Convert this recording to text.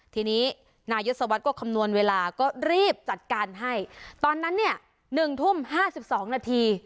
ทีนี้นายศวรรษก็คำนวณเวลาก็รีบจัดการให้ตอนนั้นเนี่ยหนึ่งทุ่มห้าสิบสองนาที